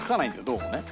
どうもね。